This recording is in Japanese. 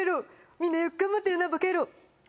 みんなよく頑張ってるな、ばかやろー。